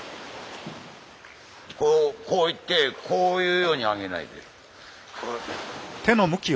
こういってこういうように上げないと。